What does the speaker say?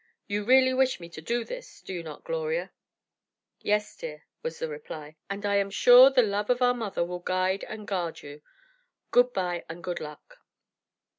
You really wish me to do this, do you not, Gloria?" "Yes, dear," was the reply, "and I am sure the love of our mother will guide and guard you. Good bye and good luck."